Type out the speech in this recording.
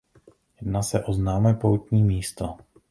Jedná se o známé poutní místo.